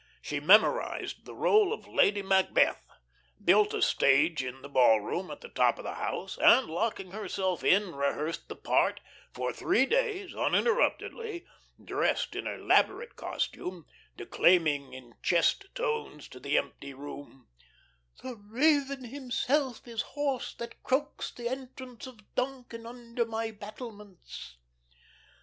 She memorised the role of Lady Macbeth, built a stage in the ballroom at the top of the house, and, locking herself in, rehearsed the part, for three days uninterruptedly, dressed in elaborate costume, declaiming in chest tones to the empty room: "'The raven himself is hoarse that croaks the entrance of Duncan under my battlements.'"